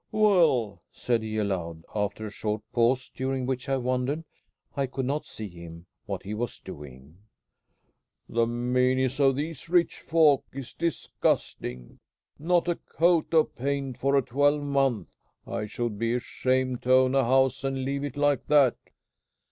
"Well!" said he, aloud, after a short pause during which I wondered I could not see him what he was doing, "the meanness of these rich folk is disgusting! Not a coat of paint for a twelvemonth! I should be ashamed to own a house and leave it like that!"